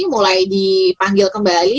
mulai dipanggil kembali